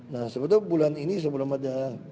nah sebetulnya bulan ini sebelumnya